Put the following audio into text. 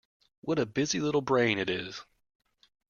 What a busy little brain it is.